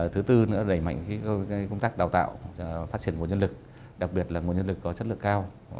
thứ tư nữa đẩy mạnh công tác đào tạo phát triển nguồn nhân lực đặc biệt là nguồn nhân lực có chất lượng cao